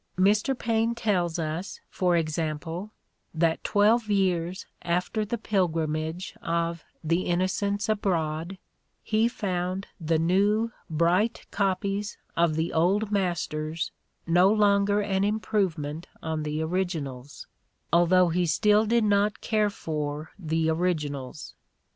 Mr. Paine tells us, for example, that twelve years after the pilgrimage of "The Innocents Abroad," he found the new, bright copies of the old masters no longer an improvement on the originals, although he still did not care for the originals.